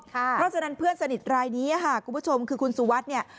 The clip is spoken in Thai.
เพราะฉะนั้นเพื่อนสนิทรายนี้ค่ะคุณผู้ชมคือคุณสุวัสดิ์เนี่ย